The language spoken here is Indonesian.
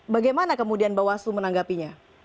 bagaimana kemudian mbak waslu menanggapinya